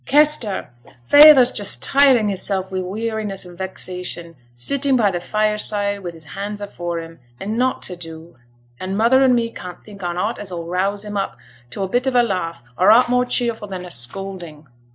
'Kester, feyther's just tiring hissel' wi' weariness an' vexation, sitting by t' fireside wi' his hands afore him, an' nought to do. An' mother and me can't think on aught as 'll rouse him up to a bit of a laugh, or aught more cheerful than a scolding.